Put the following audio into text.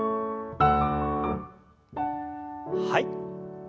はい。